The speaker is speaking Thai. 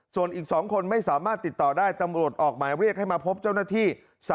ส่วนอีก๒คนไม่สามารถติดต่อได้ตำรวจออกหมายเรียกให้มาพบเจ้าหน้าที่